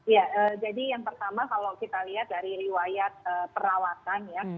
ya jadi yang pertama kalau kita lihat dari riwayat perawatan ya